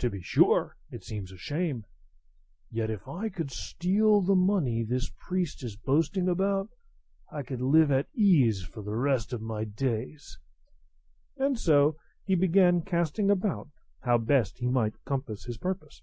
To be sure, it seems a shame; yet if I could steal the money this priest is boasting about, I could live at ease for the rest of my days;" and so he began casting about how best he might compass his purpose.